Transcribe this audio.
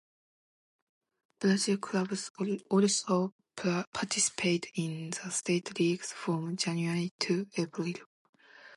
Brazilian clubs also participate in the state leagues from January to April.